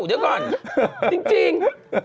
เดี๋ยวก่อนจริง